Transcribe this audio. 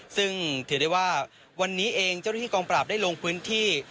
ซึ่งถือได้ว่าวันนี้เองเจ้าหน้าที่กองปราบได้ลงพื้นที่